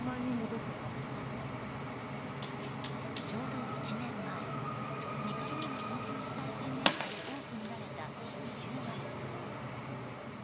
ちょうど１年前２回目の緊急事態宣言下で多く見られた二重マスク。